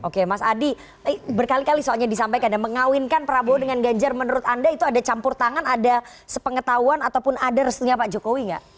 oke mas adi berkali kali soalnya disampaikan dan mengawinkan prabowo dengan ganjar menurut anda itu ada campur tangan ada sepengetahuan ataupun ada restunya pak jokowi nggak